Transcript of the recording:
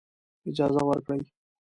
اجازه ورکړي.